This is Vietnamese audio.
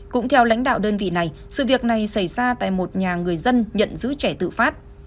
cũng theo lãnh đạo đơn vị này sự việc này xảy ra tại một nhà người dân nhận giữ trẻ tự phát